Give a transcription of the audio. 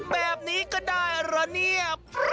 แบบนี้ก็ได้เหรอเนี่ย